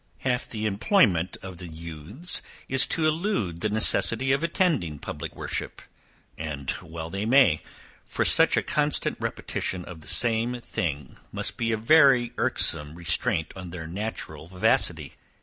Half the employment of the youths is to elude the necessity of attending public worship; and well they may, for such a constant repetition of the same thing must be a very irksome restraint on their natural vivacity.